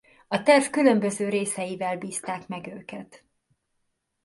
A terv különböző részeivel bízták meg őket.